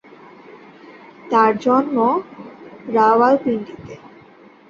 তাঁর জন্ম রাওয়ালপিন্ডিতে।